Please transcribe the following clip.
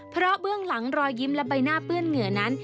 เพราะเบื้องหลังรอยยิ้มและใบหน้าเปื้อนเหงื่อนั้น